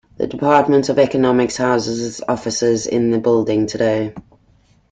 The Department of Economics houses it offices in the building today.